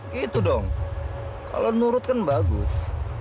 gitu dong kalau nurut kan bagus